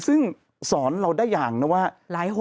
ซึ่งสอนเราได้อย่างนะว่า